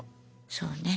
そうね。